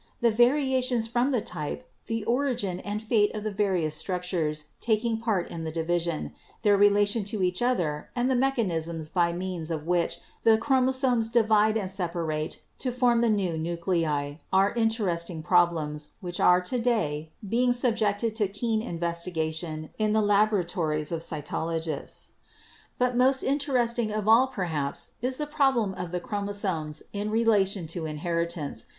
The variations from the type, the origin and fate of the various struc tures taking part in the division, their relation to each other and the mechanism by means of which the chromo somes divide and separate to form the new nuclei are in teresting problems which are to day being subjected to keen investigation in the laboratories of the cytologists. But most interesting of all perhaps is the problem of the chromosomes in relation to inheritance.